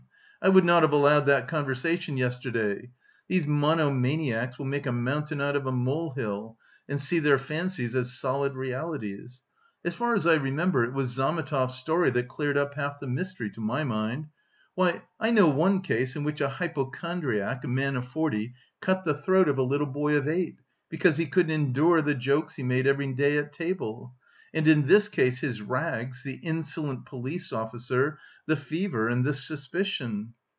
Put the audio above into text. Hm... I would not have allowed that conversation yesterday. These monomaniacs will make a mountain out of a mole hill... and see their fancies as solid realities.... As far as I remember, it was Zametov's story that cleared up half the mystery, to my mind. Why, I know one case in which a hypochondriac, a man of forty, cut the throat of a little boy of eight, because he couldn't endure the jokes he made every day at table! And in this case his rags, the insolent police officer, the fever and this suspicion!